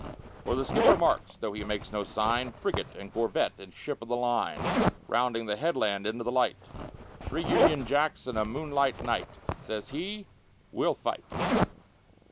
For the skipper marks, tho' he makes no sign, Frigate and corvette and ship of the line, Rounding the headland into the light: "Three Union Jacks and a moonlight night!" Says he, "We'll fight!"